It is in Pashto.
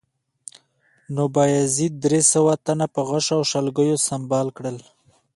نو بایزید درې سوه تنه په غشو او شلګیو سنبال کړل